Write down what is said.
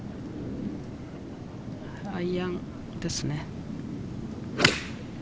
アイアンですね。